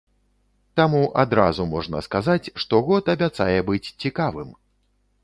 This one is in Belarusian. Таму адразу можна сказаць, што год абяцае быць цікавым!